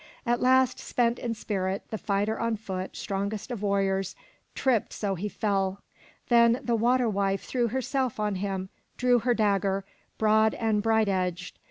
At last, spent in spirit, the fighter on foot, strongest of warriors, tripped so he fell. Then the water wife threw herself on him and drew her dagger, broad and bright edged.